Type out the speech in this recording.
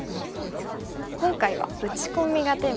今回は打ち込みがテーマなんですね。